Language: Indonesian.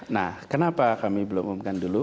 nah kenapa kami belum umumkan dulu